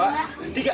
satu dua tiga